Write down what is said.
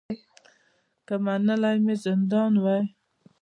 که منلی مي زندان وای